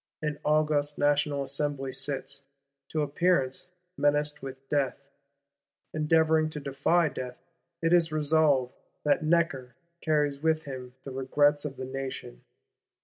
An august National Assembly sits, to appearance, menaced with death; endeavouring to defy death. It has resolved "that Necker carries with him the regrets of the Nation."